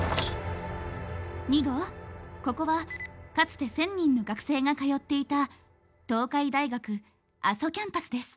２号ここはかつて１，０００人の学生が通っていた東海大学阿蘇キャンパスです。